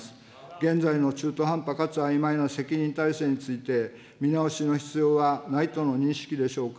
現在の中途半端かつあいまいな責任体制について、見直しの必要はないとの認識でしょうか。